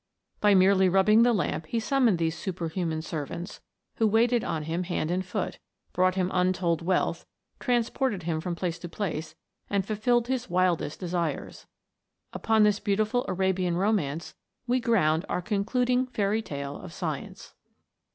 By merely rubbing the lamp he summoned these superhuman servants, who waited on him hand and foot, brought him untold wealth, transported him from place to place, and fulfilled his wildest desires. Upon this beautiful Arabian romance we ground our con cluding fairy tale of science.